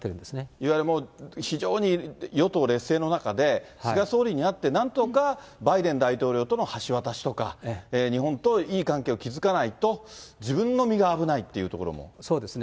いわゆる非常に与党劣勢の中で、菅総理に会って、なんとかバイデン大統領との橋渡しとか、日本といい関係を築かないと、そうですね。